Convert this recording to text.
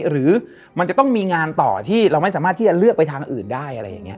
หรือมันจะต้องมีงานต่อที่เราไม่สามารถที่จะเลือกไปทางอื่นได้อะไรอย่างนี้